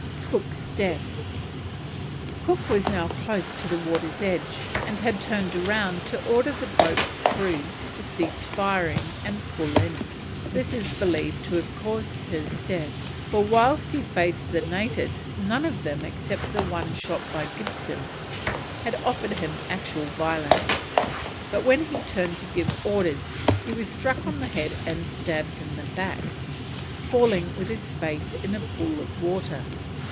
COOK'S DEATH. Cook was now close to the water's edge, and had turned round to order the boats' crews to cease firing and pull in. This is believed to have caused his death, for, whilst he faced the natives, none of them, except the one shot by Gibson, had offered him actual violence, but when he turned to give orders he was struck on the head and stabbed in the back, falling with his face in a pool of water.